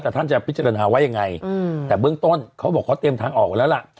แต่เบื้องต้นเขาบอกขอเตรียมทางออกแล้วล่ะ